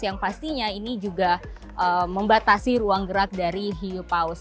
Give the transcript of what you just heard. yang pastinya ini juga membatasi ruang gerak dari hiupaus